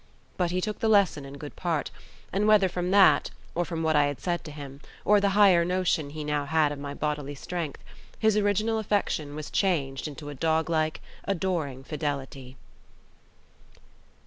But he took the lesson in good part; and whether from that, or from what I had said to him, or the higher notion he now had of my bodily strength, his original affection was changed into a dog like, adoring fidelity.